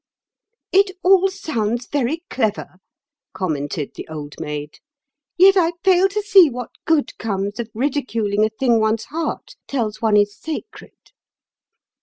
"It all sounds very clever," commented the Old Maid; "yet I fail to see what good comes of ridiculing a thing one's heart tells one is sacred."